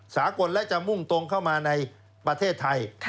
สากลและจะมุ่งตรงเข้ามาในประเทศไทย